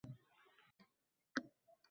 Kitob varaqlagan odamga erish.